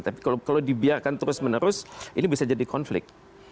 tapi kalau dibiarkan terus menerus ini bisa jadi konflik